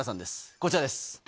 こちらです。